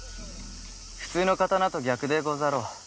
普通の刀と逆でござろう。